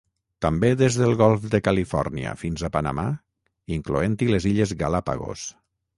També des del Golf de Califòrnia fins a Panamà, incloent-hi les Illes Galápagos.